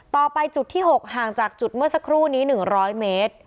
ต่อไปจุดที่หกห่างจากจุดเมื่อสักครู่นี้หนึ่งร้อยเมตร